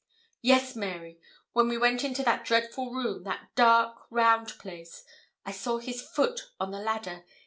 'Yes, Mary. When we went into that dreadful room that dark, round place I saw his foot on the ladder.